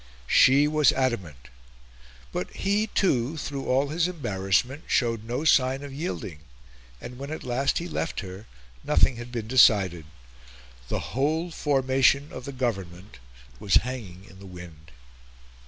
She was adamant; but he, too, through all his embarrassment, showed no sign of yielding; and when at last he left her nothing had been decided the whole formation of the Government was hanging in the wind.